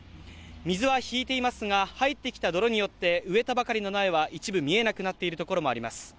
水は引いていますが入ってきた泥によって植えたばかりの苗は一部見えなくなっているところもあります。